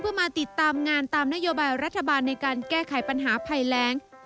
เพื่อมาติดตามงานตามนโยบายรัฐบาลในการแก้ไขปัญหาภัยแรง